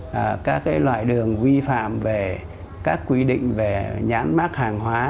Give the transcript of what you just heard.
và chưa bao giờ là cái loại đường vi phạm về các quy định về nhán mát hàng hóa